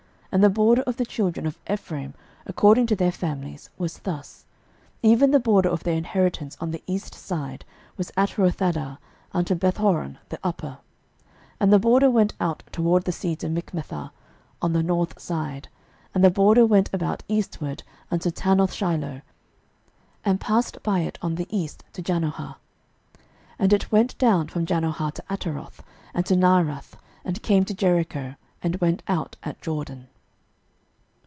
06:016:005 And the border of the children of Ephraim according to their families was thus: even the border of their inheritance on the east side was Atarothaddar, unto Bethhoron the upper; 06:016:006 And the border went out toward the sea to Michmethah on the north side; and the border went about eastward unto Taanathshiloh, and passed by it on the east to Janohah; 06:016:007 And it went down from Janohah to Ataroth, and to Naarath, and came to Jericho, and went out at Jordan.